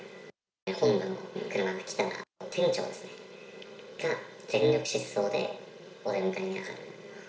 本部の車が来たら、店長がですね、全力疾走でお出迎えにあがる。